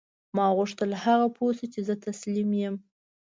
ما غوښتل هغه پوه شي چې زه تسلیم یم